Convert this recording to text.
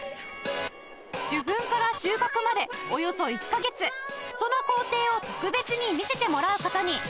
受粉から収穫までおよそ１カ月その工程を特別に見せてもらう事に